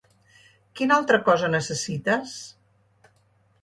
Quina altra cosa necessites?